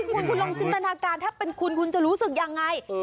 นั่นพี่คุณคุณลงจินตนาการถ้าเป็นคุณจะรู้สึกยังไง